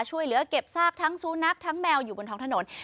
ช่วยเหลือเก็บซากทั้งสุนัขทั้งแมวอยู่บนท้องถนน